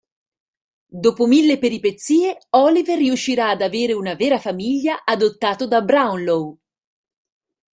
Dopo mille peripezie, Oliver riuscirà ad avere una vera famiglia, adottato da Brownlow.